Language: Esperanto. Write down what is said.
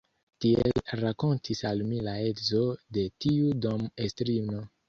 Tiel rakontis al mi la edzo de tiu dom-estrino.